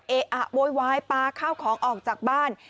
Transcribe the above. เออะโวยวายปลาข้าวของออกจากบ้าน